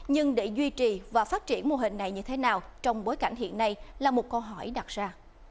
nhưng để duy trì và phát triển mô hình này như thế nào trong bối cảnh hiện nay là một câu hỏi đặt ra